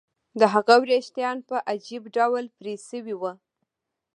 د هغه ویښتان په عجیب ډول پرې شوي وو